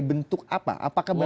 bentuk apa apakah memang